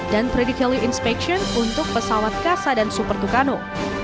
dan predikali inspection untuk pesawat kasa dan super tucano